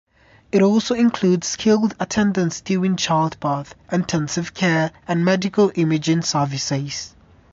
It also includes skilled attendance during childbirth, intensive care, and medical imaging services.